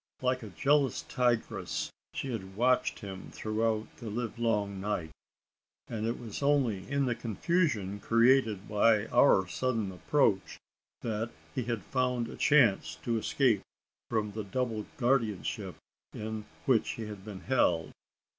Like a jealous tigress had she watched him throughout the live long night; and it was only in the confusion, created by our sudden approach, that he had found a chance of escape from the double guardianship in which he had been held.